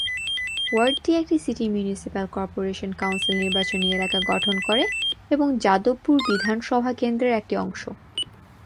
ওয়ার্ডটি একটি city municipal corporation council নির্বাচনী এলাকা গঠন করে এবং যাদবপুর বিধানসভা কেন্দ্রর একটি অংশ।